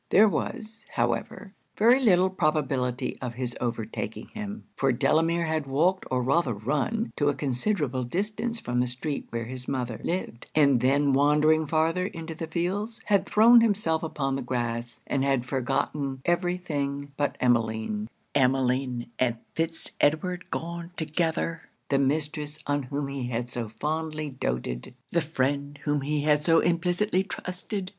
There was, however, very little probability of his overtaking him; for Delamere had walked or rather run to a considerable distance from the street where his mother lived, and then wandering farther into the fields, had thrown himself upon the grass, and had forgotten every thing but Emmeline 'Emmeline and Fitz Edward gone together! the mistress on whom he had so fondly doated! the friend whom he had so implicitly trusted!'